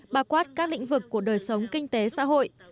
bà quát các lĩnh vực của đời sống kinh tế xã hội